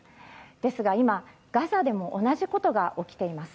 ですが今、ガザでも同じことが起きています。